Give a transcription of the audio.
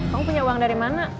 kamu punya uang dari mana